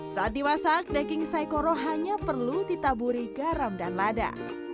saat dimasak daging saikoro hanya perlu ditaburi garam dan lada